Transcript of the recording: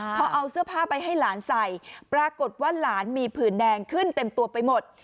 พอเอาเสื้อผ้าไปให้หลานใส่ปรากฏว่าหลานมีผื่นแดงขึ้นเต็มตัวไปหมด